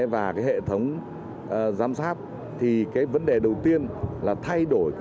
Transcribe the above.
và hệ thống giám sát thì vấn đề đầu tiên là thay đổi